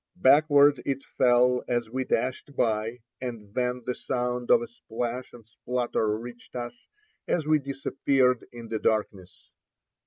Backward it fell as we dashed by, and then the sound of a splash and splutter reached us as we disappeared in the darkness.